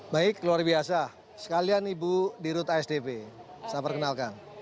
baik luar biasa sekalian ibu dirut asdp saya perkenalkan